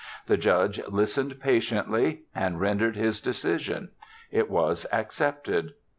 The Judge listened patiently and rendered his decision. It was accepted.